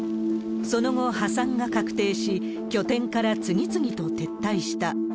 その後、破産が確定し、拠点から次々と撤退した。